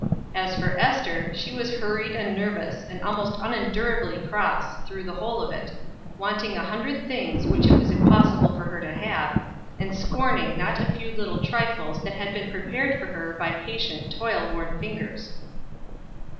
As for Ester, she was hurried and nervous, and almost unendurably cross, through the whole of it, wanting a hundred things which it was impossible for her to have, and scorning not a few little trifles that had been prepared for her by patient, toil worn fingers.